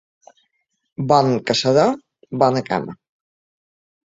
Bon caçador, bona cama.